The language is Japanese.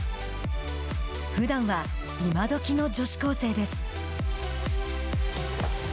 ふだんは今どきの女子高生です。